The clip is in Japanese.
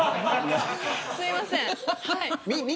すいません。